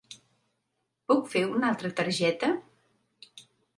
Puc fer una altra targeta?